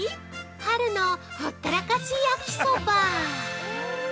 春のほったらかし焼きそば。◆